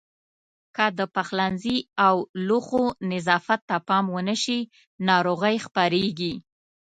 که د پخلنځي او لوښو نظافت ته پام ونه شي ناروغۍ خپرېږي.